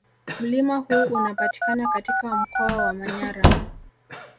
Mlima huu unapatikana katika mkoa wa Manyara